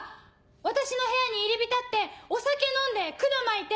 私の部屋に入り浸ってお酒飲んでくだ巻いて。